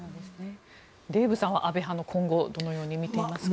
デーブさんは安倍派の今後どのように見ていますか？